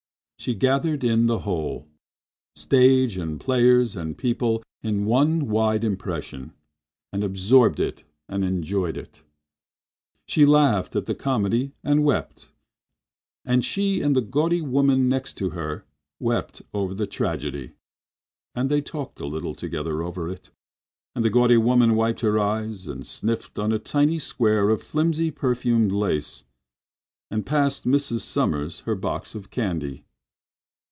She gathered in the whole—stage and players and people in one wide impression, and absorbed it and enjoyed it. She laughed at the comedy and wept—she and the gaudy woman next to her wept over the tragedy. And they talked a little together over it. And the gaudy woman wiped her eyes and sniffled on a tiny square of filmy, perfumed lace and passed little Mrs. Sommers her box of candy.